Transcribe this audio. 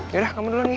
yaudah kamu duluan ya